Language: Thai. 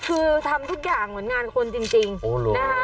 คือทำทุกอย่างเหมือนงานคนจริงนะคะ